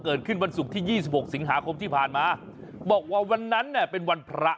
วันศุกร์ที่๒๖สิงหาคมที่ผ่านมาบอกว่าวันนั้นเนี่ยเป็นวันพระ